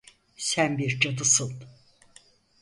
Sen bir cadısın.